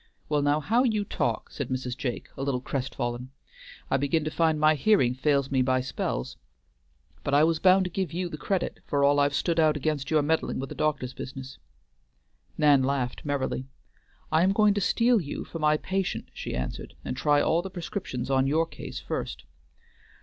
"Well now, how you talk!" said Mrs. Jake, a little crestfallen. "I begin to find my hearing fails me by spells. But I was bound to give you the credit, for all I've stood out against your meddling with a doctor's business." Nan laughed merrily. "I am going to steal you for my patient," she answered, "and try all the prescriptions on your case first."